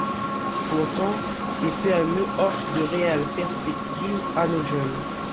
Pourtant, ces PME offrent de réelles perspectives à nos jeunes.